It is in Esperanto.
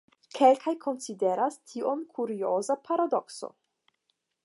Kelkaj konsideras tion kurioza paradokso.